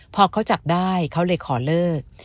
พอเขาจับได้เขาเลยขอเลิก